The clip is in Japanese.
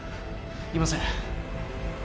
いません